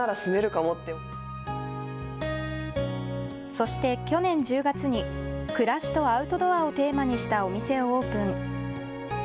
そして去年１０月に暮らしとアウトドアをテーマにしたお店をオープン。